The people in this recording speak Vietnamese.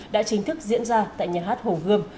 đã chính thức diễn ra tại nhà hát hồ gươm